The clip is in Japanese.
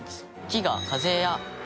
木が風や雨